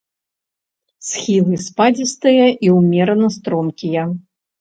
Схілы спадзістыя і ўмерана стромкія.